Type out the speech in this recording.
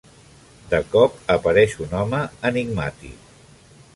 De cop, apareix un home enigmàtic.